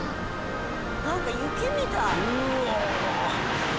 何か雪みたい。